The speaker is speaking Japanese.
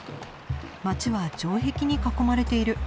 街は城壁に囲まれている。